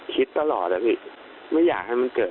คิดตลอดแบบนี้อย่าให้มันเกิด